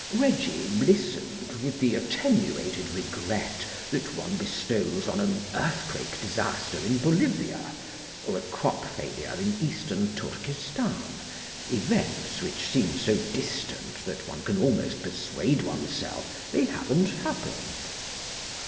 Reggie listened with the attenuated regret that one bestows on an earthquake disaster in Bolivia or a crop failure in Eastern Turkestan, events which seem so distant that one can almost persuade oneself they haven't happened.